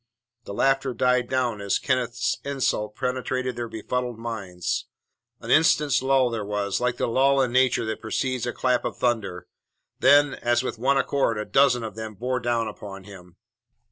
The laughter died down as Kenneth's insult penetrated their befuddled minds. An instant's lull there was, like the lull in nature that precedes a clap of thunder. Then, as with one accord, a dozen of them bore down upon him.